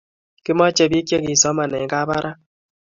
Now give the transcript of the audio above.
kimache pik che kisoman en kabarak